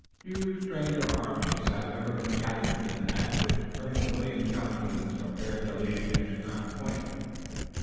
Few stranger armies have ever been gathered than that which Colonel William Johnson was preparing to lead against Crown Point.